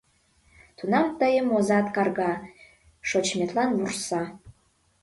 Тунам тыйым озат карга, шочметлан вурса...